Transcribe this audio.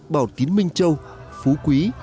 bảo tín minh châu phú quý